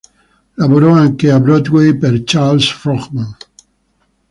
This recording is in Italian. Lavorò anche a Broadway per Charles Frohman.